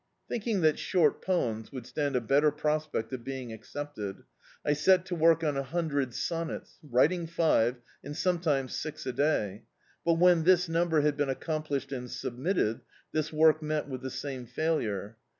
Thinking that fhort poems would stand a better prospect of being accepted, I set to work on a hun dred sonnets, writing five, and sometimes six a day, but when this number had been accomplished and submitted, this work met with the same failure.